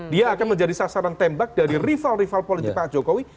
dia akan menjadi sasaran tembak dari rival rival politik pak jokowi